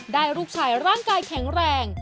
ได้ลูกชายร่างกายแข็งแรง